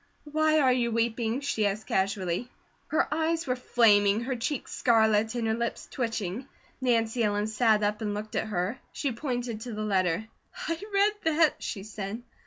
"Why are you weeping?" she asked casually. Her eyes were flaming, her cheeks scarlet, and her lips twitching. Nancy Ellen sat up and looked at her. She pointed to the letter: "I read that," she said.